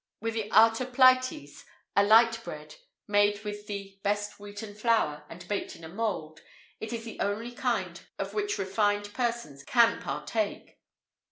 [IV 71] With the artoplites, a light bread, made with the best wheaten flour, and baked in a mould, it is the only kind of which refined persons can partake.